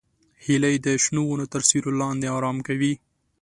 هیلۍ د شنو ونو تر سیوري لاندې آرام کوي